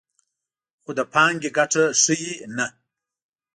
خو د پانګې ګټه ښیي نه